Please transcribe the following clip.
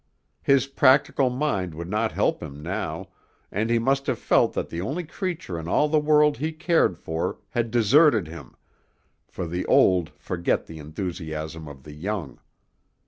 His practical mind would not help him now, and he must have felt that the only creature in all the world he cared for had deserted him, for the old forget the enthusiasm of the young.